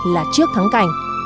là trước thắng cảnh